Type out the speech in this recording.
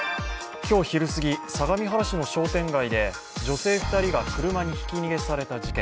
今日昼すぎ、相模原市の商店街で女性２人が車にひき逃げされた事件。